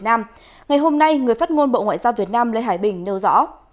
ngày hôm nay người phát ngôn bộ ngoại giao việt nam lê hải bình nêu rõ